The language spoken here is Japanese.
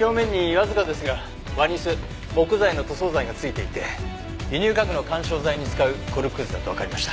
表面にわずかですがワニス木材の塗装剤が付いていて輸入家具の緩衝材に使うコルクくずだとわかりました。